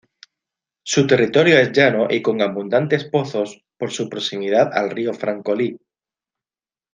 Su territorio es llano y con abundantes pozos por su proximidad al río Francolí.